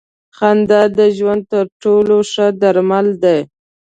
خندا د ژوند تر ټولو ښه درمل دی.